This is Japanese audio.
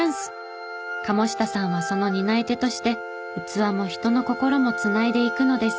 鴨下さんはその担い手として器も人の心も繋いでいくのです。